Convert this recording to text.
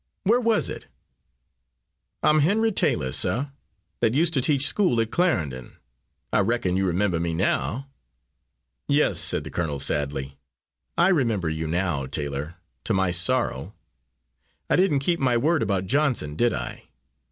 "Where was it?" "I'm Henry Taylor, suh, that used to teach school at Clarendon. I reckon you remember me now." "Yes," said the colonel sadly, "I remember you now, Taylor, to my sorrow. I didn't keep my word about Johnson, did I?"